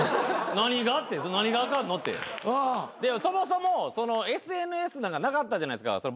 そもそもＳＮＳなんかなかったじゃないですか。